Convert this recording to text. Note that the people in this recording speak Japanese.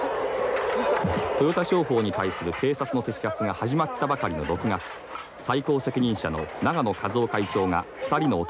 「豊田商法に対する警察の摘発が始まったばかりの６月最高責任者の永野一男会長が２人の男に殺されました」。